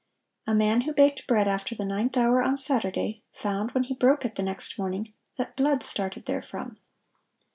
A man who baked bread after the ninth hour on Saturday, found, when he broke it the next morning, that blood started therefrom.